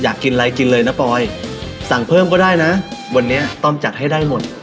อยากกินอะไรกินเลยนะปอยสั่งเพิ่มก็ได้นะวันนี้ต้อมจัดให้ได้หมด